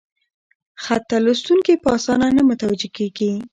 خط ته لوستونکي په اسانه نه متوجه کېږي: